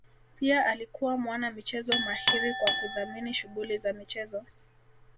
pia alikuwa mwana michezo mahiri kwa kudhamini shughuli za michezo